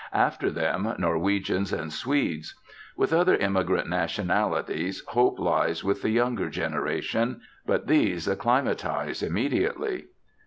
After them, Norwegians and Swedes. With other immigrant nationalities, hope lies with the younger generation; but these acclimatise immediately.